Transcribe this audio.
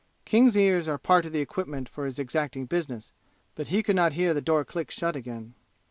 King's ears are part of the equipment for his exacting business, but he could not hear the door click shut again.